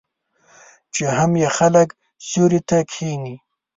چې هم یې خلک سیوري ته کښیني.